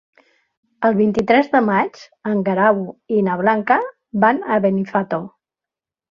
El vint-i-tres de maig en Guerau i na Blanca van a Benifato.